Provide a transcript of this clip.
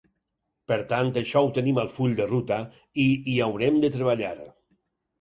Per tant, això ho tenim al full de ruta i hi haurem de treballar.